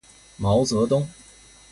毛泽东